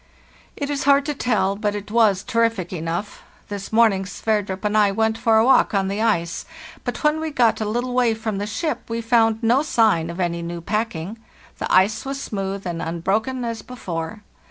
"It is hard to tell, but it was terrific enough. This morning Sverdrup and I went for a walk on the ice, but when we got a little way from the ship we found no sign of any new packing; the ice was smooth and un broken as before.